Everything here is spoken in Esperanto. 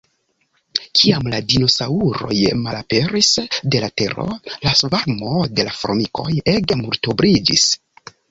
Kiam la dinosaŭroj malaperis de la tero, la svarmo de la formikoj ege multobliĝis.